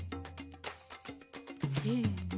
せの。